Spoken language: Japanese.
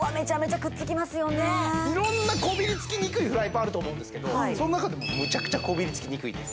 いろんなこびりつきにくいフライパンあると思うんですけどその中でもむちゃくちゃこびりつきにくいです